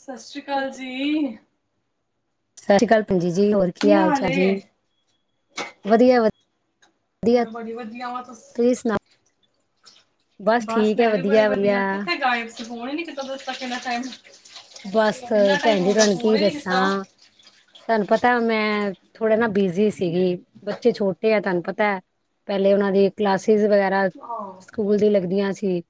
ਸਤਿ ਸ੍ਰੀ ਅਕਾਲ ਜੀ। ਸਤਿ ਸ਼੍ਰੀ ਅਕਾਲ। ਹਾਂਜੀ ਜੀ ਹੋਰ ਕੀ ਹਾਲ ਚਾਲ ਜੀ ਵਧੀਆ -ਵਧੀ ਮੈਂ ਬੜੀ ਵਧੀਆ ਹਾ, ਤੁਸ ਸੁਣਾਓ ਬਸ ਮੈਂ ਵੀ, ਬੜੀ ਵਧੀਆ, ਕਿੱਥੇ ਗਾਇਬ ਸੀ ਫੋਨ ਹੀ ਨੀ ਚਕਦੇ ਕਿੰਨਾ ਟਾਈਮ। ਬਸ ਕਿੰਨਾ ਟਾਈਮ ਭੈਣ ਹੋ ਜੀ ਗਿਆ ਤੁਹਾਨੂੰ ਫੋਨ ਕੀ ਹੀ ਨੀ ਕੀਤਾ ਦੱਸਾਂ, ਤੁਹਾਨੂੰ ਪਤਾ। ਮੈਂ ਥੋੜੇ ਨਾ ਬਿਜੀ ਸੀਗੀ। ਬੱਚੇ ਛੋਟੇ ਆ ਤੁਹਾਨੂੰ ਪਤਾ ਪਹਿਲੇ ਉਹਨਾਂ ਦੀ ਕਲਾਸਿਸ ਵਗੈਰਾ। ਆਹੋ ਸਕੂਲ ਦੀ ਲੱਗਦੀਆਂ। ਫੇਰ,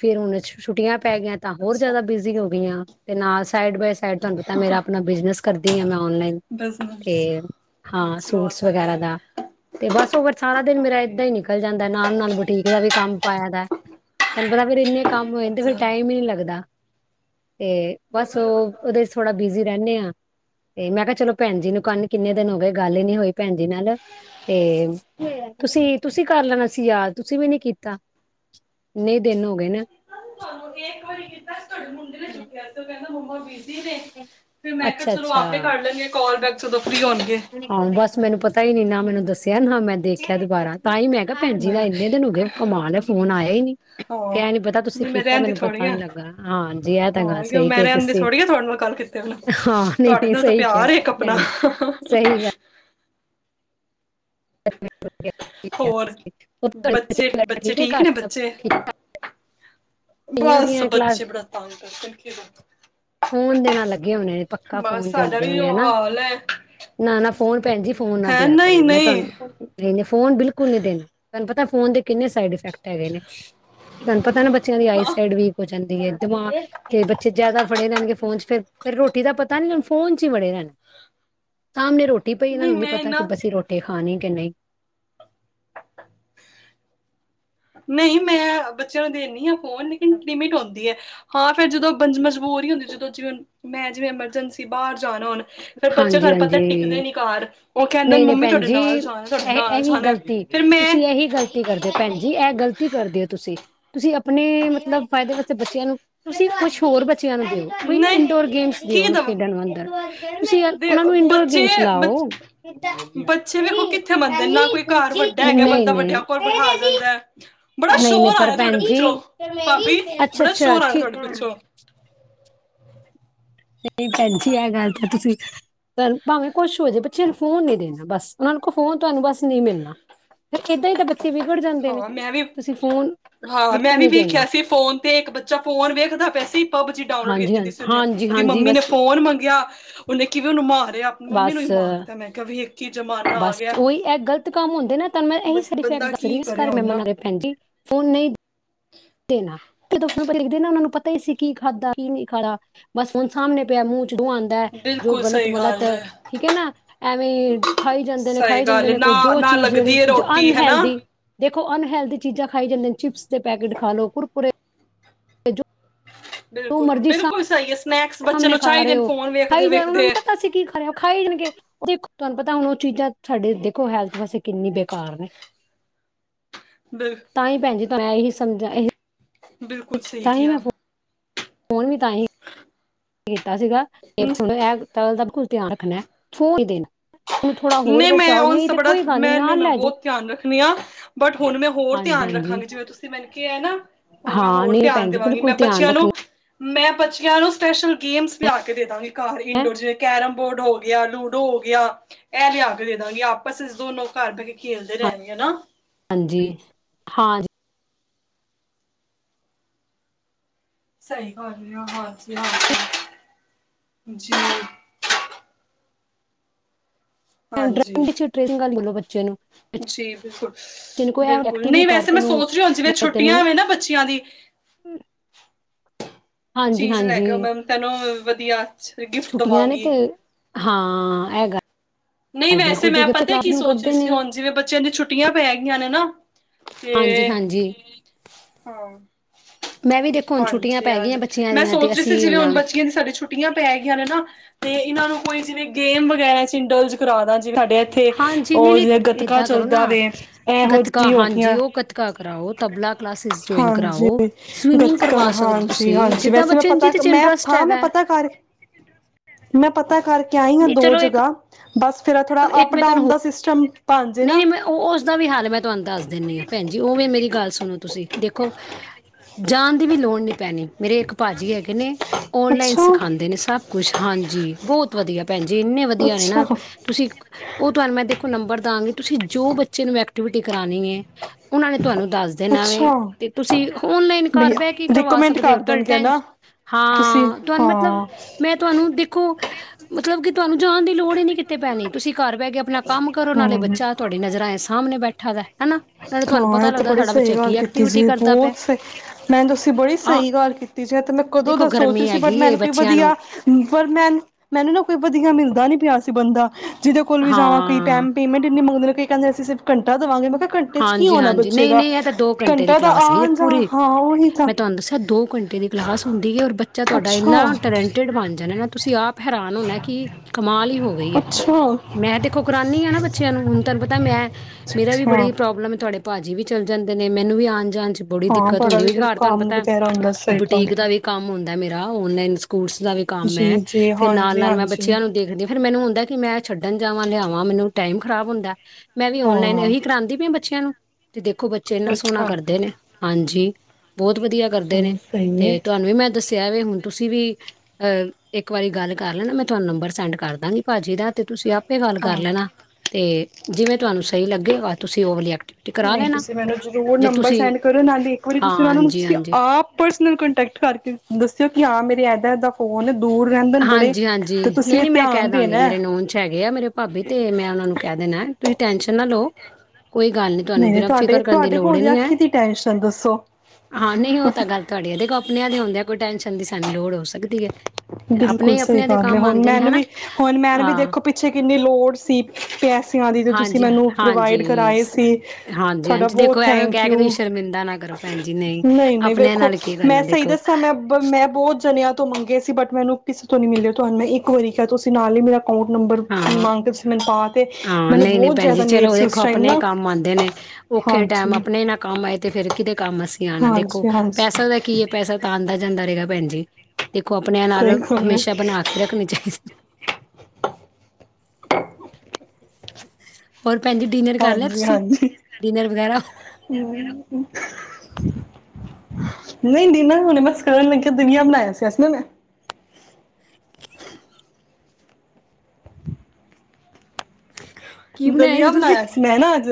ਫੇਰ ਹੁਣ ਛੁੱਟੀਆਂ ਪੈ ਗਈ ਅਨ। ਤਾਂ ਹੋਰ ਅੱਛਾ ਜ਼ਿਆਦਾ ਬਿਜ਼ੀ ਹੋ ਗਈਆਂ। ਤੇ ਨਾਲ, ਸਾਈਡ ਬਾਏ ਸਾਈਡ। ਐ ਤੁਹਾਨੂੰ ਪਤਾ ਮੇਰਾ ਆਪਣਾ ਬਿਜਨਸ ਕਰਦੀ ਆ ਮੈਂ ਆਨਲਾਈਨ, ਬਿਜ਼ਨਸ ਤੇ ਹਾਂ ਹਾਂਜੀ ਉਹ ਸੂਟਸ ਤਾਂ ਹੈ ਵਗੈਰਾ ਦਾ, ਤੇ ਬਸ ਉ ਸਾਰਾ ਦਿਨ ਹਾਂ ਮੇਰਾ ਏਦਾਂ ਹੀ ਨਿਕਲ - ਜਾਂਦਾ, ਨਾਲ ਨਾਲ ਬੁਟੀਕ ਦਾ ਵੀ ਕੰਮ ਪਾਇਆਦਾ ਤੁਹਾਨੂੰ ਪਤਾ ਫੇਰ ਇੰਨੇ ਕੰਮ ਹੋਯੇ ਤੇ ਅੱਛਾ ਫਿਰ ਟਾਈਮ ਹੀ ਨਹੀਂ ਲੱਗਦਾ ਤੇ ਬਸ ਡਬਲ ਡਬਲ ਉਹ ਤੁਹਾਨੂੰ ਉਹਦੇ ਚ ਥੋੜਾ ਬਿਜ਼ੀ ਰਹਿੰਨੇ ਆਂ। ਤੇ ਮੈਂ ਕਿਹਾ ਚਲੋ ਭੈਣ ਜੀ ਨੂੰ ਕੰਨ ਕਿੰਨੇ ਦਿਨ ਹੋ ਗਏ ਗੱਲ ਹੀ ਨੀ ਹੋਈ ਭੈਣ ਜੀ ਨਾਲ, ਤੇ ਤੁਸੀਂ ਤੁਸੀਂ ਕਰ ਲੈਣਾ ਸੀ ਯਾਦ, ਤੁਸੀਂ ਵੀ ਨੀ ਕੀਤਾ, ਕਿੰਨੇ ਦਿਨ ਹੋ ਗਏ ਨਾ। ਇੱਕ ਵਾਰੀ ਕੀਤਾ ਤੁਹਾਡੇ ਮੁੰਡੇ ਨੇ ਚੁੱਕਿਆ ਸੀ ਓਹ ਮੰਮਾ ਬਿਜ ਤੇ ਫਿਰ ਮੈਂ ਕੇਆ ਚਲੋ ਆਪੇ ਕਰ ਲੈਨਗੇ ਕੋਲ ਬੈਕ। [unintelligible] [unintelligible] ਬੱਸ ਮੈਨੂੰ ਪਤਾ ਈ ਨੀ ਨਾ ਮੈਨੂੰ ਦੱਸਿਆ ਨਾਂ ਮੈਂ ਦੇਖੇਆ ਦੁਬਾਰਾ ਤਾਂ ਹੀ ਮੈਂ ਭੈਣ ਜੀ ਮੈਂ ਦਾ ਏ੍ਹਨੇ ਦਿਨ ਹੋ ਗੇ ਕਮਾਲ ਐ ਫੋਨ ਆਏਆ ਈ ਨੀ, ਹਾਂ ਤੇ ਐ ਨੀ ਪਤਾ ਤੁਸੀ ਨਹੀਂ ਮੈਂ ਕੀਤਾ ਰਹਿਣ ਦੀ ਮੈਨੂੰ ਥੋੜ੍ਹੀ ਪਤਾ ਨੀ ਆ ਲੱਗਾ। ਹਾਂਜੀ ਐ ਤਾ ਗੱਲ ਹਾਂ ਕਿਉਂ ਸਹੀ ਕਈ ਮੇਰੇ ਆਂਦੀ ਤੁਸੀ, ਥੋੜ੍ਹੀ ਆ ਤੁਹਾਡੇ ਨਾਲ ਗੱਲ ਕੀਤੇ ਬਿਨਾਂ ਹਾਂ ਨਈ ਤੁਹਾਡੇ ਨੀ ਨਾਲ ਤਾਂ ਸਹੀ ਕੇਆ ਪਿਆਰ ਏ ਇੱਕ ਤੁਸੀ ਆਪਣਾ ਭੈਣ ਸਈ ਗੱਲ। ਗੱਲ ਠੀਕ ਹੈ ਹੋਰ ਉਹ ਤੁਹਾਡੇ ਬੱਚੇ, ਵਗੈਰਾ ਬੱਚੇ ਹੈ ਠੀਕ ਘਰ ਨੇ ਸਭ ਬੱਚੇ, ਠੀਕ ਠਾਕ? ਕਈਆਂ ਬਸ ਦੀਆਂ ਬੱਚੇ ਬੜਾ ਤੰਗ ਕਰਦੇ ਨ। [unintelligible] ਫੋ ਦੇ ਨਾ ਲ, [unintelligible] ਪੱਕਾ ਫੋਨ ਸਾਡਾ ਦੇਂਦੇ ਵੀ ਹੋਨੇ ਆ ਉਹ ਹਨਾ ਹਾਲ ਹੈ ਨਾ, ਨਾ ਫੋਨ ਭੈਨਜੀ ਫੋਨ ਨਾ ਹੈਂ ਦੇਆ ਨਹੀਂ ਕਰੋ ਮੈਂ ਨਹੀਂ [unintelligible] [unintelligible] ਫੋਨ ਬਿਲਕੁਲ ਨੀ ਦੇਨਾ ਤੈਨ ਪਤਾ, ਫੋਨ ਦੇ ਕਿੰਨੇ ਸਾਈਡ ਇਫੈਕਟ ਹੈਗੇ ਨੇ ਧਾਨੂ ਪਤਾ ਨਾ ਬੱਚੇਆਂ ਦੀ ਆਈ ਸਾਈੜ ਵੀਕ [unintelligible] ਦਿਮਾਖ ਤੇ ਬੱਚੇ ਜਿਆਦਾ ਵੜੇ ਰੈਨਗੇ ਫੋਨ ਚ ਫੇਰ ਰੋਟੀ ਦਾ ਪਤਾ ਨੀ, [unintelligible] ਫੋਨ ਚ ਈ ਵੜੇ ਰੈਨ ਸਾਹਮਣੇ ਰੋਟੀ [unintelligible] ਏਨਾਂ ਨਹੀਂ ਨੂੰ ਨਈ ਮੈਂ ਪਤਾ, ਕਿ ਨਾ ਬਸੀ ਰੋਟੀ ਖਾਨੀ ਕੇ ਨਹੀ। ਨੲਈ ਮੈਂ ਅ ਬੱਚੇਆਂ ਨੂੰ ਦੇਨੀ ਆਂ। ਫੋਨ [unintelligible] ਲਿਮੀਟ ਹੋਂਦੀ ਏ। ਹਾਂ, ਫੇਰ ਜਦੋਂ ਬੰਜ ਮਜਬੂਰੀ ਹੁੰਦੀ ਜਦੋਂ, ਜਿਵੇਂ ਮੈਂ ਜਿਵੇਂ ਐਮਰਜੈਂਸੀ ਬਾਰ ਜਾਨਾ ਹੋਨਾ ਫੇਰ ਬੱਚੇ ਫੇਰ ਪਤਾ ਟਿੱਕਦੇ ਨੀ ਘਾਰ ਨਈ, ਨਈ ਭੈਜੀਂ ਐ ਐਹੀ ਜਾਣਾ ਗਲਤੀ ਫਿਰ ਮੈਂ ਤੁਸੀ ਐਹੀ ਗਲਤੀ ਕਰਦੇ ਭੈਨ ਜੀ। ਐ ਗਲਤੀ [unintelligible] ਕਰਦੇ ਓ ਤੁਸੀ। ਤੁਸੀ ਆਪਨੇ ਮਤਲਬ ਫਾਇਦੇ ਵਾਸਤੇ ਬੱਚੇਆਂ ਨੂੰ ਤੁਸੀ [unintelligible] [unintelligible] ਕੋਈ ਨਹੀਂ ਇਨ ਡੋਰ ਗੇਮਸ ਦੇਓ ਕੀ ਓਨੂ ਦਵਾਂ ਖੇਡਣ ਨੂ। ਅੰਦਰ ਤੂਸੀ ਯਾਰ ਦੇ ਓਨਾ ਨੂ ਇਨਡੋਰ ਬੱਚੇ ਗੇਮਸ ਲਾਓ। ਬੱਚ ਬੱਚੇ ਵੇਖੋ ਮੇਰੀ ਕਿੱਥੇ ਮੰਨਦੇ ਨ, ਨਾ ਪਹਿਲੀ ਕੋਈ ਘਾਰ ਦੂਜੀ ਵੱਡਾ ਹੈਗੈ, ਨਹੀਂ ਬੰਦਾ ਨਹੀਂ ਵੱਡੇਆ ਕੋਲ ਬਠਾ ਜਾਂਦੈ। ਨਹੀਂ, ਨਹੀਂ ਪਰ ਭੈਨ ਜੀ ਭਾਬੀ ਅੱਛਾ, ਬੜਾ ਅੱਛਾ ਸ਼ੋਰ ਆ ਰਿਹਾ ਠੀਕ। ਤੁਹਾਡੇ ਪਿੱਛੋਂ ਨਹੀਂ ਭੈਨਜੀ ਐ ਗੱਲ ਤਾ ਤੁਸੀ ਪਰ, ਭਾਵੇਂ ਕੁਸ਼ ਹੋ ਜੇ ਬੱਚੇਆਂ ਨੂੰ ਫੋਨ ਨੀ ਦੇਨਾ। ਬਸ ਓਨਾਂ ਨੂੰ ਕੋ ਫੋਨ ਤੁਆਨੂੰ ਬਸ ਨਹੀ ਮਿਲਨਾ ਫੇ ਖੇਡਾ ਈ ਖਤਮ ਹਾਂ ਮੈਂ ਵੀ, ਹਾਂ ਮੈਂ ਬਿਲਕੁਲ ਵੀ, ਨਹੀਂ ਦੇਣਾ ਵੇਖਿਆ ਸੀ ਫੋਨ ਤੇ ਇੱਕ ਬੱਚਾ ਫੋਰ ਵੇਖਦਾ ਪਿਯਾ ਸੀ ਪਬ ਜੀ ਡਾਊਨਲੋਡ਼ ਹਾਂਜੀ ਕੀਤੀ ਦੀ ਹਾਂਜੀ ਸੀ ਓਨੇ। ਹਾਂਜੀ ਓਦੀ ਹਾਂਜੀ ਮੰਮੀ ਨੇ ਬਸ ਫੋਰ ਮੰਗੇਆ ਓਨੇ ਕਿਵੇ ਓਨੂ ਮਾਰੇ ਬਸ, ਜ਼ਮਾਨਾ ਆ ਬਸ ਗਿਆ ਉਹੀ ਇਹ ਗ਼ਲਤ ਕੰਮ ਹੁੰਦੇ ਨਾ ਤੁਹਾਨੂੰ ਮੈਂ ਇਹੀ ਬ [unintelligible] ਬੰਦਾ ਦੱਸ ਕੀ ਰਹੀ ਕਰੇ ਹੁਣ ਨਾ [unintelligible] ਭੈਨ ਜੀ ਫੋਨ ਨਈ ਦੇਨਾ ਉਸਨੂੰ [unintelligible] ਉਹਨਾਂ ਨੂੰ ਪਤਾ ਹੀ ਸੀ ਕੀ ਖਾਧਾ ਕੀ ਨੀ ਖਾਧਾ ਬਸ ਹੁਨ ਸਾਹਮਨੇ ਪਿਆ ਮੂੰਹ ਜਦੋਂ ਆਂਦਾ ਜੋ ਬਿਲਕੁਲ ਗਲਤ ਸਹੀ ਮਲਤ ਗੱਲ ਹੈ ਠੀਕ ਏ ਨਾ, ਐਵੇਂ ਖਾਈ ਜਾਂਦੇ ਨੇ, ਸਹੀ ਖਾਈ ਜਾਂਦੇ ਗੱਲ ਏ ਨੇ ਨਾ ਕੋਈ ਜੋ ਨਾ ਚੀਜ਼ ਲੱਗਦੀ ਜਿਹੜੀ ਏ ਰੋਟੀ ਹਨਾ। ਅਨਹੈਲਦੀ ਦੇਖੋ, ਅਨਹੈਲਦੀ ਚੀਜਾ ਖਾਈ ਜਾਂਦੇ ਨੇ ਚਿੱਪਸ ਦੇ ਪੈਕੇੜ ਖਾਲੋ ਕੁਰ ਕੁਰੇ ਬਿਲਕੁਲ-ਬਿਲਕੁਲ ਸਹੀ ਏ ਸਨੈਕਸ ਬੱਚੇ ਸਾਮਨੇ ਨੂੰ ਖਾ ਚਾਹੀਦੇ ਰਹੇ ਨੇ ਓ ਫੋਨ ਵੇਖਦੇ ਖਾਈ ਜਾਓ, ਉਨਾ ਨੂੰ ਵੇਖਦੇ। ਪਤਾ ਅਸੀ ਕੀ ਖਾ ਰਹੇ ਖਾਈ ਜਾਨਗੇ ਦੇਖੋ ਤੁਹਾਨੂੰ ਪਤਾ ਹੁਨ ਓ ਚੀਜ਼ਾਂ, ਸਾਡੇ ਦੇਖੋ ਹੈਲਥ ਵਾਸਤੇ ਕਿੰਨੀ ਬੇਕਾਰ ਨੇ ਬਿਲ ਤਾਂ ਈ ਭੈਨ ਜੀ ਮੈਂ ਏਹੀ ਸਮਝਾ ਇਹੀ ਬਿਲਕੁਲ ਸਹੀ ਕਿਆ। ਫੋਨ ਵੀ ਤਾਹੀਂ। ਕੀਤਾ ਸੀਗਾ ਤੇ [unintelligible] ਧਿਆਨ [unintelligible] ਹੋਰ ਨਈ ਮੇ ਵਰਚਾਓ ਓਜਂ ਨਹੀਂ ਤਾ ਤੇ ਬੜਾ ਕੋਈ ਗੱਲ ਨੀ ਮੈਂ ਨਈ ਨਾਲ ਮੈਂ ਲੈ ਜਾਓ ਬੋਤ ਧੇਆਨ ਰੱਖਨੀ ਆ, ਬਟ ਹੋਨ ਮੈ ਹੋਰ ਹਾਂਜੀ ਧੇਆਨ ਹਾਂਜੀ ਰੱਖਾਂਗੀ ਜਿਵੇਂ ਤੁਸੀ ਮੈਨੂੰ ਕੇਆ ਏ ਨਾ। ਹੁਨ ਮੈਂ ਹਾਂ ਹੋਰ ਨਹੀਂ ਧੇਆਨ ਭੈਣ ਜੀ ਦੇਵਾਂਗੀ ਬਿਲਕੁਲ ਮੈਂ ਧਿਆਨ ਬੱਚੇਆਂ ਨੂੰ ਰੱਖਣਾ ਮੈਂ ਬੱਚਿਆਂ ਨੂੰ ਸਪੈਸ਼ਲ ਗੇਮਸ ਲੇਆ ਕੇ ਦੇ ਦਾਂਗੀ ਕਰ [unintelligible] ਜਿਵੇਂ ਕੈਰਮ ਬੋਡ ਹੋ ਗਿਆ, ਲੂਡੋ ਹੋ ਗਿਆ। ਏਹ ਲੇਆ ਕੇ ਦੇ ਦਾਂਗੀ ਆਪਸ‌ ਚ ਦੋਨੋ ਕਰ ਬੈਕੇ [unintelligible] ਹਾਂਜੀ ਹਾਂ ਸਹੀ ਗੱਲ ਏ [inaudible] ਹਾਂਜੀ, ਡਰਾਇੰਗ ਵਿੱਚ ਟ੍ਰੇਸਿੰਗ ਵਾਲੀ ਬੋਲੋ ਬੱਚੇ ਨੂੰ ਜੀ ਬਿਲਕੁਲ, ਬੱਚੇ ਨੂੰ ਕੋਈ ਐਵੇਂ ਬਿਲਕੁਲ ਐਕਟਿਵ ਨਈ ਹੀ ਕਰ ਵੈਸੇ ਮੈਂ ਤੈਨੂੰ ਸੋਚ ਰੀਆ [inaudible] ਜਿਵੇਂ ਮੈਂ ਛੁੱਟੀਆਂ ਤੈਨੂੰ ਹੋਵੇ ਨਾ ਬੱਚਿਆਂ ਦੀ ਹਾਂਜੀ ਚੀਜ਼ ਲੈ ਹਾਂਜੀ ਕੇ [inaudible] ਵਧੀਆ ਗਿਫਟ ਛੁੱਟੀਆਂ ਨੇ ਦਵਾਂਗੀ, ਤੇ ਹਾਂ ਇਹ ਗੱਲ ਨਈ ਵੈਸੇ ਬਿਲਕੁਲ ਮੈਂ ਠੀਕ ਹੈ ਬੱਚੇ ਪਤਾ ਕਲਾਸ ਕੀ ਨੂੰ ਸੋਚ ਰਹੀ ਕਰਦੇ ਸੀ ਨੇ ਹੁਨ ਜਿਵੇਂ ਬੱਚਿਆਂ ਦੀਆਂ ਛੁੱਟੀਆਂ ਪੈ ਗੀਆਂ ਨੇ ਨਾ ਹਾਂਜੀ, ਤੇ ਹਾਂਜੀ। ਹਾਂ ਮੈਂ ਵੀ ਦੇਖੋ ਹੁਨ ਛੁੱਟੀਆਂ ਹਾਂਜੀ ਪੈ ਗਿਆਂ ਹਾਂਜੀ ਬੱਚੇ ਮੈਂ ਸੋਚ ਰੀ ਸੀ ਜਿਵੇਂ ਹੁਨ ਬੱਚਿਆਂ ਦੀ ਸਾਡੀ ਛੁੱਟੀਆਂ ਪੈ ਗਿਆਂ ਨੇ ਨਾ ਤੇ ਇਨਾਂ ਨੂੰ ਕੋਈ ਜਿਵੇਂ ਗੇਮ ਵਗੈਰਾ ਚ ਇੰਡਲਜ ਕਰਾ ਦਾ ਸਾਡੇ ਏਥੇ ਹਾਂਜੀ ਨਹੀਂ ਓ ਨਹੀਂ ਜ ਗੱਤਕਾ ਏਦਾਂ ਕਰੋ ਚੱਲਦਾ ਨਾ ਵੇ ਏਹੋ ਗੱਤਕਾ ਜਿਹੀ ਹੋ ਹਾਂਜੀ ਗਿਆਂ ਉਹ ਗੱਤਕਾ ਕਰਾਓ ਤਬਲਾ ਕਲਾਸਿਸ ਜੁਆਇਨ ਹਾਂਜੀ ਕਰਾਓ ਸਵਿਮਿੰਗ ਗਤਕਾ ਕਰਵਾ ਸਕਦੇ ਹਾਂਜੀ, ਤੁਸੀਂ ਹਾਂਜੀ ਜਿੱਦਾਂ ਵੈਸੇ ਮੈਂ ਬੱਚੇ ਨੂੰ ਪਤਾ ਜਿਹਦੇ ਚ ਮੈਂ ਇੰਟਰਸਟ ਹਾ ਮੈਂ ਹੈਗਾ ਪਤਾ ਕਰ ਮੈਂ ਪਤਾ ਕਰਕੇ ਆਈਂ ਆ ਨਹੀਂ ਦੋ ਚਲੋ ਇੱਕ ਜਗਾ ਬਾਸ ਇੱਕ ਮੈਂ ਤੁਹਾਨੂੰ [unintelligible] ਜੇ ਨਹੀਂ ਨਾ ਨਹੀਂ। ਮੈਂ ਉਸਦਾ ਵੀ ਹਾਲ ਮੈਂ ਤੁਹਾਨੂੰ ਦੱਸ ਦੇਣੀ ਆ ਭੈਣ ਜੀ। ਉਵੇਂ ਮੇਰੀ ਗੱਲ ਸੁਣੋ ਤੁਸੀਂ ਦੇਖੋ ਜਾਣ ਦੀ ਵੀ ਲੋੜ ਨੀ ਪੈਣੀ ਮੇਰੇ ਇੱਕ ਭਾਜੀ ਹੈਗੇ ਨੇ ਔਨਲਾਈਨ ਅੱਛਾ ਸਿਖਾਉਂਦੇ ਨੇ ਸਭ ਕੁਛ ਹਾਂਜੀ ਬਹੁਤ ਵਧੀਆ ਭੈਣ ਜੀ ਇੰਨੇ ਵਧੀਆ ਨੇ ਅੱਛਾ ਨਾ ਤੁਸੀਂ। ਉਹ ਤੁਹਾਨੂੰ ਮੈਂ ਦੇਖੋ ਨੰਬਰ ਦਾਂਗੀ ਤੁਸੀਂ ਜੋ ਬੱਚੇ ਨੂੰ ਮ। ਐਕਟੀਵਿਟੀ ਕਰਾਨੀ ਏ। ਉਹਨਾਂ ਨੇ ਤੁਹਾਨੂੰ ਦੱਸ ਦੇਣਾ ਵੇ ਅੱਛਾ ਤੁਸੀਂ ਓਨਲਾਈਨ ਬਈ ਘਰ ਬਹਿ ਕੇ ਹੀ ਕਰਵਾ ਰਿਕਮੈਂਡ ਸਕਦੇ ਹੋ ਕਰ ਤੁਹਾਡੀ ਦੇਣਗੇ ਨਾ ਟੈਨਸਨ ਤੁਸੀਂ ਹਾਂ ਤੁਹਾਨੂੰ ਮਤਲਬ ਹਾਂ ਮੈਂ ਤੁਹਾਨੂੰ ਦੇਖੋ। [unintelligible] ਜਾਣ ਦੀ ਲੋੜ ਹੀ ਨੀ ਕਿੱਤੇ ਪੈਣੀ। ਤੁਸੀਂ ਘਰ ਬਹਿ ਕੇ ਆਪਣਾ ਕੰਮ ਕਰੋ [unintelligible] ਨਾਲੇ ਬੱਚਾ ਤੁਹਾਡੀ ਨਜ਼ਰਾਂ ਦੇ ਸਾਹਮਣੇ ਬੈਠਾ ਦਾ ਹਨਾ ਨਾਲੇ ਤੁਹਾਨੂੰ ਹਾਂ ਪਤਾ ਇਹ ਤੇ ਲੱਗਦਾ ਬੜੀ ਸਾਡਾ ਬੱਚਾ ਸਹੀ ਗੱਲ ਕੀ ਕੀਤੀ ਐਕਟੀਵਿਟੀ ਸੀ ਕਰਦਾ ਪਿਆ ਬਹੁਤ ਸਹੀ ਮੈਂ ਦੱਸੀ ਬੜੀ ਆ ਸਹੀ ਗੱਲ ਕੀਤੀ ਜੀ ਤੇ ਮੈਂ ਕਦੋਂ ਦੇਖੋ ਦਾ ਸੋਚ ਰਹੀ ਗਰਮੀ ਸੀ ਹੈਗੀ ਪਰ ਏ ਮੈਨੂੰ ਕੋਈ ਬੱਚਿਆਂ ਨੂੰ ਵਧੀਆ ਪਰ ਮੈ ਮੈਨੂੰ ਨਾ ਕੋਈ ਵਧੀਆ ਮਿਲਦਾ ਨੀ। [unintelligible] ਜਿਹ ਕੋਲ ਵੀ ਜਾਵਾਂ ਕੋਈ [unintelligible] ਹਾਂ। ਪੇਮੈਂਟ ਇੰਨੀ ਮੰਗਦੇ [unintelligible] ਕੀ ਹਾਂਜੀ ਹੋਣਾ ਹਾਂਜੀ ਬੱਚੇ ਨਹੀਂ ਦਾ ਨਹੀਂ ਇਹ ਤਾਂ ਦੋ ਘੰਟੇ ਦੀ ਘੰਟਾ ਤਾਂ ਕਲਾਸ ਏ ਆਣ ਜਾ ਪੂਰੀ ਹਾਂ ਉਹੀ ਤਾਂ ਮੈਂ ਤੁਹਾਨੂੰ ਦੱਸਿਆ ਦੋ ਘੰਟੇ ਦੀ ਕਲਾਸ ਹੁੰਦੀ ਹੈ ਔਰ ਬੱਚਾ ਤੁਹਾਡਾ ਅੱਛਾ ਇੰਨਾ ਟੈਲੈਂਟਿਡ ਬਣ ਜਾਣਾ ਨਾ ਤੁਸੀਂ ਆਪ ਹੈਰਾਨ [unintelligible] ਕਿ ਕਮਾਲ ਹੀ ਹੋ ਗਈ ਹੈ ਅੱਛਾ ਮੈਂ ਦੇਖੋ ਕਰਾਣੀ ਹਾਂ ਨਾ ਬੱਚਿਆਂ ਨੂੰ ਹੁਣ ਤਹਾਨੂੰ ਪਤਾ ਮੈਂ ਮੇਰਾ ਵੀ ਅੱਛਾ ਬੜੀ ਪ੍ਰੋਬਲਮ ਏ ਤੁਹਾਡੇ ਪਾ ਜੀ ਵੀ ਚੱਲੇ ਜਾਂਦੇ ਨੇ ਮੈਨੂੰ ਵੀ ਆਣ ਜਾਣ ਬੜੀ ਹਾਂ ਦਿੱਕਤ ਬੜਾ ਹੁੰਦੀ ਵੀ ਕਿ [unintelligible] ਫਿਰ ਹਾਰ ਤੁਹਾਨੂੰ ਕੰਮ ਪਤਾ ਵਗੈਰਾ ਹੁੰਦਾ ਸਹੀ ਗੱਲ ਬੁਟੀਕ ਏ ਦਾ ਵੀ ਕੰਮ [unintelligible] [unintelligible] [unintelligible] ਦਾ ਵੀ ਕੰਮ ਜੀ ਹੈ ਜੀ ਫੇਰ ਨਾਲ ਹਾਂਜੀ ਨਾਲ ਮੈਂ ਹਾਂਜੀ ਬੱਚਿਆਂ ਨੂੰ ਦੇਖਦੀ ਹਾਂ ਫੇਿਰ ਮੈਨੂੰ ਹੁੰਦਾ ਕਿ ਮੈਂ ਛੱਡਣ ਜਾਵਾਂ ਲਿਆ [unintelligible] ਮੈਨੂੰ ਟਾਈਮ ਖਰਾਬ ਹੁੰਦਾ ਮੈਂ ਵੀ ਔਨਲਾਈਨ ਹਾਂ ਇਹੀ ਕਰਾਂਦੀ [unintelligible] ਦੇਖੋ ਬੱਚੇ ਇੰਨਾ ਸੋਹਣਾ ਅੱਛਾ ਕਰਦੇ ਨੇ ਹਾਂਜੀ ਬਹੁਤ ਵਧੀਆ ਕਰਦੇ ਨੇ ਚਲੋ ਸਹੀ ਹੈ ਤੇ ਤੁਹਾਨੂੰ ਵੀ ਮੈਂ ਦੱਸ ਦੱਸਿਆ ਵੇ ਹੁਣ ਤੁਸੀਂ ਵੀ ਅਹ ਇੱਕ ਵਾਰੀ ਗੱਲ ਕਰ ਲੈ ਨਾ ਮੈਂ ਤੁਹਾਨੂੰ ਨੰਬਰ ਸੈਂਡ ਕਰ ਦਾਂਗੀ ਭਾਜੀ ਦਾ ਤੇ ਤੁਸੀਂ ਆਪ ਫ [unintelligible] ਗੱਲ ਕਰ ਹਾਂ ਲੈਣਾ ਤੇ ਜਿਵੇਂ ਤੁਹਾਨੂੰ [unintelligible] [unintelligible] ਐਕਟੀਵਿਟੀ ਕਰਾ ਨਹੀਂ ਲੈਣਾ ਤੁਸੀਂ ਮੈਨੂੰ ਜਰੂਰ ਜੇ ਨੰਬਰ ਤੁਸੀਂ ਸੈਂਡ ਕਰਿਓ ਨਾਲੇ ਇੱਕ ਵਾਰੀ ਤੁਸੀਂ ਉਹਨਾ ਨੂੰ ਹਾਂਜੀ ਤੁਸੀਂ ਹਾਂਜੀ ਆਪ ਪਰਸਨਲ ਕੋਂਟੈਕਟ ਕਰਕੇ ਦੱਸਿਓ ਕਿ ਹਾਂ ਮੇ [unintelligible] ਹਾਂਜੀ ਹਾਂਜੀ ਨਹੀਂ ਨਹੀਂ ਮੈਂ ਕਹਿ ਧਿਆਨ ਦਾਂਗੀ ਦੇਣਾ ਹੈ। ਮੇਰੇ ਨੋਨ ਚ ਹੈਗੇ ਆ ਮੇਰੇ ਭਾਬੀ ਤੇ ਮੈਂ ਉਹਨਾਂ ਨੂੰ ਕਹਿ ਦੇਣਾ ਤੁਸੀਂ ਟੈਂਸ਼ਨ ਨਾ ਲਓ ਕੋਈ ਗੱਲ ਨੀ ਤੁਹਾਨੂੰ ਨਹੀਂ ਨਹੀਂ ਬਿਨਾਂ ਤੁਹਾਡੇ ਫਿਕਰ ਕਰਨ ਦੀ ਤੁਹਾਡੇ ਲੋੜ ਹੀ ਹੋਦਿਆਂ ਕਿਹਦੀ ਟੈਨਸ਼ਨ ਦੱਸੋ ਨਹੀਂ ਉਹ ਤਾਂ ਗੱਲ ਤੁਹਾਡੀ ਆ ਦੇਖੋ ਆਪਣਿਆਂ ਦੇ ਹੁੰਦੇ ਕੋਈ ਟ ਣ ਦੀ ਸਾਨੂੰ ਲੋੜ ਹੋ ਸਕਦੀ ਹੈ ਬਿਲਕੁਲ ਸਹੀ ਗੱਲ ਹੈ ਹੁਣ ਮੈਨੂੰ ਵੀ ਹੁਣ ਮੈਨ ਵੀ ਹਾਂ, ਦੇਖੋ ਪਿੱਛੇ ਕਿੰਨੀ ਲੋੜ ਸੀ ਪੈਸਿਆਂ ਦੀ ਜੋ ਤੁਸੀਂ ਹਾਂਜੀ, ਮੈਨੂੰ ਪ੍ਰੋਵਾਈਡ ਹਾਂਜੀ, ਕਰਵਾਏ ਸੀ ਤੁਹਾਡਾ ਹਾਂਜੀ-ਹਾਂਜੀ ਦੇਖੋ ਬਹੁਤ ਐਵੇਂ ਥੈਂਕ ਕਹਿ ਕੇ ਯੂ ਤੁਸੀਂ ਸ਼ਰਮਿੰਦਾ ਨਾ ਕਰੋ ਭੈਣ ਜੀ ਨਹੀਂ ਨਹੀਂ ਆਪਣਿਆਂ ਵੇਖੋ ਨਾਲ ਕੀ ਮੈਂ ਕਰਨਾ ਸਹੀ ਦੇਖੋ, ਦੱਸਾਂ ਮੈਂ ਮੈਂ ਬਹੁਤ ਜਣਿਆ ਮੰਗੇ ਸੀ ਬ ਮੈਨੂੰ ਕਿਸੇ ਤੋਂ ਨੀ ਮਿਲਿਆ ਤੁਹਾਨੂੰ ਮੈਂ ਇੱਕ ਵਾਰੀ ਕਿਹਾ ਤੁਸੀਂ ਨਾਲ ਹੀ ਮੇਰਾ ਅਕਾਊਂਟ ਨੰਬਰ ਹਾਂ ਮੰਗ ਕੇ ਤੁਸੀਂ ਮੈਨੂੰ ਪਾ ਤੇ ਹਾਂ ਮੈਨੂੰ ਨਹੀਂ ਨਹੀਂ ਬਹੁਤ ਭੈਣ ਜੀ ਜ਼ਿਆਦਾ ਨੀਡ ਚਲੋ ਸੀ ਦੇਖੋ ਉਸ ਟਾਈਮ ਆਪਣੇ ਨਾ ਕੰਮ ਆਉਂਦੇ ਨੇ ਔਖੇ ਟਾਈਮ ਹਾਂਜੀ ਆਪਣੇ ਨਾ ਕੰਮ ਆਏ ਤੇ ਫਿਰ ਕਿਹਤੇ ਕੰਮ ਅਸੀਂ ਆਉਣਾ ਦੇਖੋ ਹਾਂਜੀ ਹਾਂਜੀ ਪੈਸਾ ਦਾ ਕੀ ਹੈ ਪੈਸਾ ਤਾਂ ਆਉਂਦਾ ਜਾਂਦਾ ਰਹੇਗਾ ਭੈਣ ਜੀ ਦੇਖੋ ਆਪਣਿਆਂ ਨਾਲ ਸਹੀ ਗੱਲ ਹੈ ਹਮੇਸ਼ਾ ਬਣਾ ਕੇ ਰੱਖਣੀ ਚਾਹੀਦੀ ਹੋਰ ਭੈਣ ਜੀ ਡਿਨਰ ਕਰ ਲਿਆ ਹਾਂਜੀ ਤੁਸੀਂ ਹਾਂਜੀ ਡਿਨਰ ਵਗੈਰਾ ਨਹੀਂਦੀ ਨਾ ਹੁਣੇ ਬਸ ਕਰਨ ਲੱਗਿਆ ਦੁਨਆ ਬਣਾਇਆ ਸੀ ਅ ਨਾ ਕੀ ਸੀ ਦਲੀਆ ਤੁਸੀਂ ਬਣਾਇਆ ਸੀ ਮੈਂ ਨਾ ਅੱਜ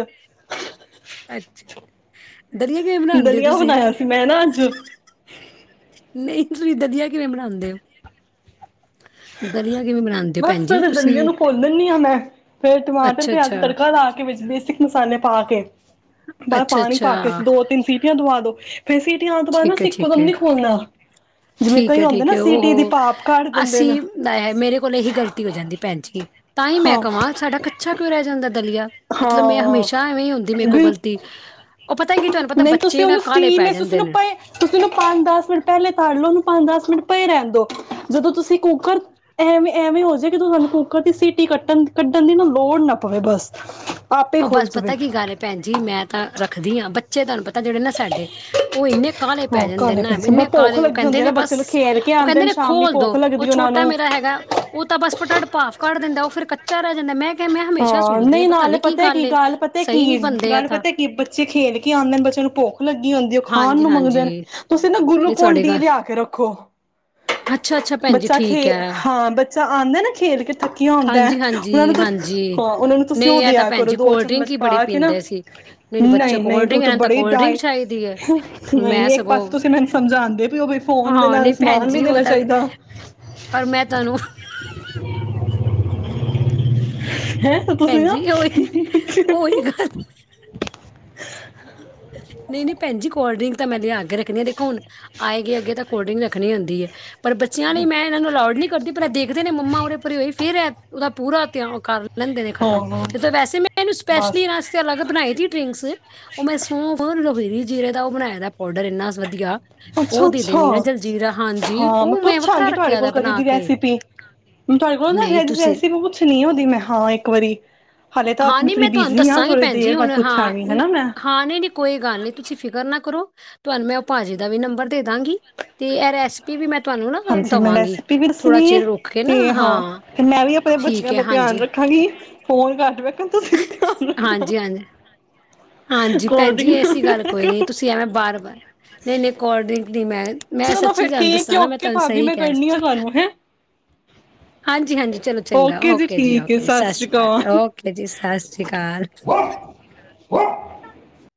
ਅੱਛਾ ਦਲੀਆ ਕਿਵੇਂ ਬਣਾਉਂਦੇ ਹੋ ਦਲਆ ਤੁਸੀਂ ਬਣਾਇਆ ਸੀ ਮੈਂ ਨਾ ਅੱਜ ਨਹੀਂ ਤੁਸੀਂ ਦਲੀਆ ਕਿਵੇਂ ਬਣਾਉਂਦੇ ਹੋ ਦਲੀਆ ਕਿਵੇਂ ਬਣਾਉਂਦੇ ਹੋ ਬਸ ਭੈਣ ਜੀ ਫਿਰ ਦਲੀਆ ਤੁਸੀਂ ਨੂੰ ਭੋਲ ਦਦੀ ਹਾਂ ਮੈਂ ਫੇਿਰ ਟਮਾਟਰ ਅੱਛਾ ਪਿਆਜ ਅੱਛਾ ਤੇ ਤੜਕਾ ਲਾ ਕੇ ਵਿੱਚ ਬੇਸਿਕ ਮਸਾਲੇ ਪਾ ਕੇ ਬਸ ਅੱਛਾ ਪਾਣੀ ਪਾ ਕੇ ਅੱਛਾ ਦੋ ਤਿੰਨ ਸੀਟੀਆਂ ਦਵਾ ਦੋ ਫਿਰ ਸੀਟ ਆਉਣ ਤੋਂ ਬਾਅਦ ਨਾ ਠੀਕ ਸ ਹੈ ਠੀਕ ਇੱਕਦਮ ਹੈ ਨੀ ਖੋਦਾ ਠੀਕ ਹੈ ਠੀਕ ਹੈ ਉਹ ਦਿੰਦੇ ਨੇ ਅਸੀਂ ਦਾ ਹੈ ਮੇਰੇ ਕੋਲ ਹੋ ਜਾਂਦੀ ਭੈਣਚ ਤਾਂ ਹੀ ਮੈਂ ਹਾਂ ਕਹਾਂ ਸਾਡਾ ਕਛਾ ਕਿਉਂ ਰਹਿ ਜਾਂਦਾ ਦਲੀਆ ਮਤਲਬ ਮੈਂ ਹਾਂ ਹਮੇਸ਼ਾ ਐਵੇਂ ਹੀ ਹੁੰਦੀ ਮੇਰੇ ਕੋਲ ਬਿਲੁ ਗ਼ਲਤੀ ਉਹ ਪਤਾ ਕੀ ਤੁਹਾਨੂੰ ਪਤਾ ਨਹੀਂ ਬੱਚੇ ਤੁਸੀਂ ਨਾ ਉਹਨੂੰ ਕਾਹਲੇ ਸਟੀਮ ਪੈ ਹੈ ਜਾਂਦੇ ਤੁਸੀਂਨੂੰ ਨੇ ਪਏ ਤੁਸੀਂ ਉਹਨੂੰ ਪੰਜ ਦਸ ਮਿੰਟ ਪਹਿਲੇ ਤ ਲੋ ਨੂੰ ਪੰਜ ਦਸ ਮਿੰਟ ਪਏ ਰਹਿਣ ਦੋ ਜਦੋਂ ਤੁਸੀਂ ਕੁੂੱਕਰ ਐਵੇਂ ਐਵੇਂ ਹੋ ਜਾੇ ਕਿ ਤੁਹਾਨੂੰ ਕੁੂੱਕਰ ਦੀ ਸੀਟੀ ਕੱਟਣ ਕੱਢਣ ਦੀ ਨਾ ਲੋੜ ਨਾ ਪਵੇ ਬਸ [unintelligible] ਉਹ ਬਸ ਜਾਵੇ ਪਤਾ ਕੀ ਗਾਹੇ ਭੈਣ ਜੀ ਮੈਂ ਤਾਂ ਰੱਖਦੀ ਹਾਂ ਬੱਚੇ ਤੁਹਾਨੂੰ ਪਤਾ ਜਿਹੜੇ ਨਾ ਸਾਡੇ ਉਹ ਇੰਨੇ ਕਾਲੇ ਪੈ ਹਾਂ ਜਾਂਦੇ ਕਾਲੇ ਨਾ ਪੈਸੇ ਬ ਇੰਨੇ ਭੁੱਖ ਕਾਲੇ ਉਹ ਲੱਗੀ ਕਹਿੰਦੇ ਹੁੰਦੀ ਨੇ ਨਾ ਬੱਚੇ ਬਸ ਨੂੰ ਖੇਲ ਕੇ ਉਹ ਆਉਂਦੇ ਕਹਿੰਦੇ ਨੇ ਸ਼ਾਮੀ ਖੋਲ ਦੋ ਭੁੱਖ ਉਹ ਲੱਗਦੀ ਉਹਨਾਂ ਛੋਟਾ ਨੂੰ ਮੇਰਾ ਹੈਗਾ ਉਹ ਤਾਂ ਬਸ ਫਟਾਟ ਪਾਾ ਕੱਢ ਦਿੰਦਾ ਫਿਰ ਕੱਚਾ ਰਹਿ ਜਾਂਦਾ ਮੈਂ ਕਿਹਾ ਮੈਂ ਹਮੇਸ਼ਾ ਹਾਂ ਸੋਚਦੀ ਨਹੀਂ ਪਤਾ ਨਾਲੇ ਨੀ ਪ ਤਾ ਕੀ ਏ ਗੱਲ ਪਤਾ ਸਹੀ ਨੀ ਕੀ ਬਣਦੇ ਆ ਗੱਲ ਤਾਂ ਪਤਾ ਕੀ ਬੱਚੇ ਖੇਲ ਕੇ ਆਉਂਦੇ ਬੱਚਿਆਂ ਨੂੰ ਭੁੱਖ ਲੱਗੀ ਖਾਣ ਨੂੰ ਮੰਗਦੇ ਹਾਂਜੀ-ਹਾਂਜੀ, ਨੇ ਤੁਸੀਂ ਨਾ ਨਹੀਂ ਗਲੂਕੋਨ ਤੁਹਾਡੇ ਡੀ ਗੱਲ ਲਿਆ ਕੇ ਰੱਖੋ ਅੱਛਾ-ਅੱਛਾ ਭੈਣ ਜੀ ਬੱਚਾ ਖੇ ਠੀਕ ਐ। ਹਾਂ ਬੱਚਾ ਆਉਂਦਾ ਨਾ ਖੇਲ ਕੇ ਚੱਕੀਆਂ ਹੁੰਦਾ ਹੈ ਹਾਂਜੀ-ਹਾਂਜੀ, ਉਹਨਾਂ ਨੂੰ ਹਾਂਜੀ ਹਾਂਜੀ ਹਾਂ ਉਹਨਾਂ ਨੂੰ ਤੁਸੀਂ ਉਹ ਨਹੀਂ ਇਹ ਤਾਂ ਦਿਆ ਭੈਣ ਕਰੋ ਜੀ ਦੋ ਕੋਲਡ ਡਰਿੰਕ ਚਮਚ ਹੀ ਪਾ ਬੜੀ ਕੇ ਨਾ ਪੀਂਦੇ ਸੀ। ਨਹੀਂ ਬੱਚੇ ਨਹੀਂ ਨਹੀਂ ਕੋਲਡ ਤੂੰ ਡਰਿੰਕ ਤਾਂ ਇਹਨਾਂ ਨੂੰ ਬੜੇ ਕੋਲਡ ਡਰਿੰਕ ਡਏ ਚਾਹੀਦੀ ਐ, ਹੁਣ ਨਹੀਂ ਮੈਂ ਨਹੀਂ ਇੱਕ ਸਗੋਂ ਪਾਸੇ ਤੁਸੀਂ ਮੈਨੂੰ ਸਮਝਾਉਦੇ ਵੀ ਹੋ ਵੀ ਫੋਨ ਦੇ ਹਾਂ ਨਾਲ ਨਹੀਂ ਭੈਣ ਸਮਾਨ ਵੀ ਜੀ ਉਹ ਦੇਣਾ ਤਾਂ ਚਾਹੀਦਾ ਪਰ ਮੈਂ ਤੁਹਾਨੂੰ ਹੈਂ ਤੁਸੀਂ ਨਾ ਭੈਣਜੀ ਉਹੀ ਉਹੀ ਗੱਲ [unintelligible] ਨਹੀਂ ਨਹੀਂ ਭੈਣਜੀ ਕੋਲਡਰਿੰਕ ਤਾਂ ਮੈਂ ਲਿਆ ਆ ਕੇ ਰੱਖਣੀ ਹ ਦੇਖੋ ਹੁਣ ਆਏ ਗਏ ਅੱਗੇ ਤਾਂ ਕੋਲਡ ਡਰਿੰਕ ਰੱਖਣੀ ਹੁੰਦੀ ਹੈ ਪਰ ਬੱਚਿਆਂ ਲਈ ਮੈਂ ਇਹਨਾਂ ਨੂੰ ਅਲਾਡ ਨਹੀਂ ਰਾ ਦੇਖਦੇ ਨੇ ਮੰਮਾ ਉਰੇ ਭਰੇ ਹੋਈ ਫਿਰਰ ਉਹਦਾ ਪੂਰਾ ਤਿਆਗ ਕਰ ਲੈਂਦੇ ਨੇ ਖਤਮ ਹਾਂ ਨਹੀਂ ਵੈਸੇ ਮੈਂ ਇਹਨੂੰ ਬਸ ਸਪੈਸ਼ਲੀ ਇਹਸਤੇ ਅਲੱਗ ਬਣਾਏ ਤ ਡਰਿੰਕਸ ਉਹ ਮੈਂ ਰਹੀਰੀ ਜੀਰੇ ਦਾ ਉਹ ਬਣਾਏ ਦਾ ਪਾਊਡਰ ਇੰਨਾ ਵਧੀਆ ਉਹ ਅੱਛਾ ਦੇ ਅੱਛਾ ਦਿੰਦੀ ਆ ਜਲਜੀਰਾ ਹਾਂਜੀ ਹਾਂ ਮੈਂ ਉਹ ਵੱਖਰਾ ਪੁੱਛਾਂਗੀ ਤੁਹਾਡੇ ਰੱਖਿਆ ਕੋਲ ਦਾ ਕਦੇ ਬਣਾ ਦੀ ਕੇ ਰੈਸਪੀ ਤੁਹਾਡੇ ਕੋਲ ਨਾ ਨਹੀਂ ਤੁਸੀਂ ਰੈਸਪ ਪੁੱਛ ਨ ਹੋਦੀ ਮੈਂ ਹਾਂ ਇੱਕ ਵਾਰੀ ਹਾਲੇ ਤਾਂ ਹਾਂ ਨਹੀਂ ਥੋੜੀ ਮੈਂ ਤੁਹਾਨੂੰ ਬਿਜੀੀ ਹ ਦੱਸਾਂਗੀ ਥੋੜੀ ਭੈਣ ਦੇਰ ਜੀ ਹੁਣ ਬਾਅਦ ਹਾਂ ਪੁੱਛਾਂਗੀ ਨ- ਮੈਂ ਹਾਂ ਨਹੀਂ ਨਹੀਂ ਕੋਈ ਗੱਲ ਨੀ ਤੁਸੀਂ ਫਿਕਰ ਨਾ ਕਰੋ ਤੁਹਾਨੂੰ ਮੈਂ ਉਹ ਭਾਜੀ ਦਾ ਵੀ ਨੰਬਰ ਦੇ ਦਾਂਗੀ ਤੇ ਇਹ ਰੈਸਪੀ ਵੀ ਮੈਂ ਤੁਹਾਨੂੰ ਨਾ ਹਾਂਜੀ ਮੈਂ ਦਵਾਂਗੀ ਰੈਸਪੀ ਵੀ ਥੋੜਾ ਦੱਸਣੀ ਹੈ ਚਿਰ ਰੁਕ ਕੇ ਨਾ ਤੇ ਹਾਂ ਤੇ ਮੈਂ ਵੀ ਆਪਣੇ ਠੀਕ ਬੱਚਿਆਂ ਹੈ ਦਾ ਧਿਆਨ ਹਾਂਜੀ ਰੱਖਾਂਗੀ ਫੋਨ ਘੱਟ ਵਖਾਂ ਤੁਸੀਂ ਵੀ ਧਿਆਨ ਰੱਖਣਾ ਹਾਂਜੀ ਹਾਂਜੀ ਹਾਂਜੀ ਕੋਲਡ ਭੈਣਜੀ ਡਰਿੰਕ ਐਸੀ ਗੱਲ ਨਾ ਕੋਈ ਨੀ ਕਰੋ ਤੁਸੀਂ ਐਵੇਂ ਬਾਰ ਬਾਰ ਨਹੀਂ ਨਹੀਂ ਕੋਲਡ ਡਰਿੰਕ ਦੀ ਮੈਂ ਮੈਂ ਚਲੋ ਸੱਚੀ ਫਿਰ ਤੁਹਾਨੂੰ ਠੀਕ ਹੈ ਦੱਸਾਂ ਨਾ ਮੈਂ ਓਕੇ ਤੁਹਾਨੂੰ ਭਾਬੀ ਸਹੀ ਮੈਂ ਕਹਿ ਕਰਨੀ ਆ ਤੁਹਾਨੂੰ ਹੈਂ ਹਾਂਜੀ ਹਾਂਜੀ ਚਲੋ ਚੰਗਾ ਓਕੇ ਜੀ ਓਕੇ ਜੀ ਸਤਿ ਸ੍ਰੀ ਅਕਾਲ ਓਕੇ ਜੀ ਸਤਿ ਸ਼੍ਰੀ ਅਕਾਲ ਅਕਾਲ [unintelligible]